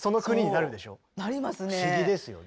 不思議ですよね。